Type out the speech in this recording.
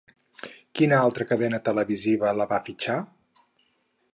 Quina altra cadena televisiva la va fitxar?